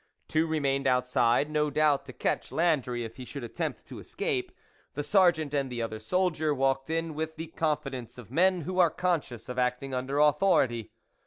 Two remained outside, no doubt to catch Landry if he should attempt to escape, the sergeant and the other soldier walked in with the confidence of men who are conscious of acting under authority.